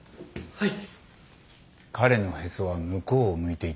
はい。